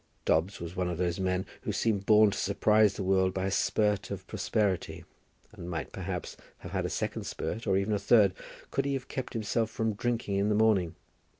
Dobbs was one of those men who seem born to surprise the world by a spurt of prosperity, and might, perhaps, have had a second spurt, or even a third, could he have kept himself from drinking in the morning.